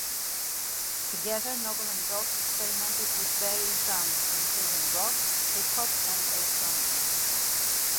Together, Nobel and Doc experimented with various genres including rock, hip-hop, and electronica.